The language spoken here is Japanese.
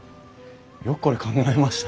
よくこれ考えましたね。